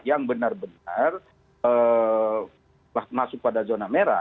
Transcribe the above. yang benar benar masuk pada zona merah